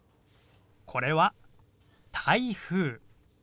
これは「台風」。